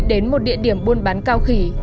đến một địa điểm buôn bán cao khỉ